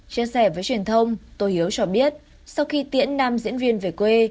chia sẻ với truyền thông tôi hiếu cho biết sau khi tiễn nam diễn viên về quê